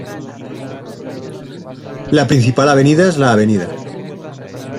La principal avenida es la Av.